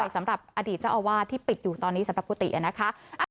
สำหรับอดีตเจ้าอาวาสที่ปิดอยู่ตอนนี้สำหรับกุฏินะคะ